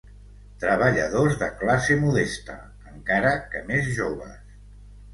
Treballadors de classe modesta, encara que més joves.